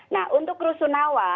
nah untuk rusunawa